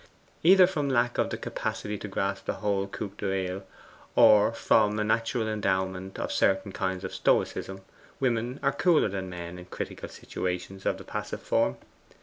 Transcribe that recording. Either from lack of the capacity to grasp the whole coup d'oeil, or from a natural endowment for certain kinds of stoicism, women are cooler than men in critical situations of the passive form.